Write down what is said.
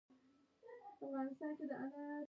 د پانګې اچونې تړونونه هم پدې برخه کې شامل دي